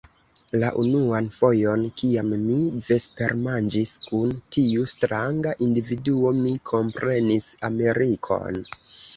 La unuan fojon, kiam mi vespermanĝis kun tiu stranga individuo, mi komprenis Amerikon.